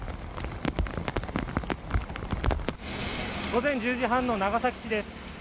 午前１０時半の長崎市です。